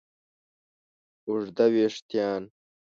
اوږده وېښتیان